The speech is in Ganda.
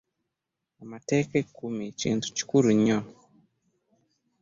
Amateeka ekkumi kintu kikulu nnyo.